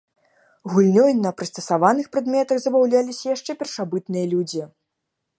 Гульнёй на прыстасаваных прадметах забаўляліся яшчэ першабытныя людзі.